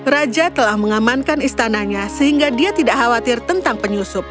raja telah mengamankan istananya sehingga dia tidak khawatir tentang penyusup